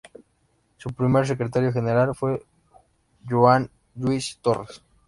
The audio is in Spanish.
Su primer secretario general fue Joan Lluís Torres.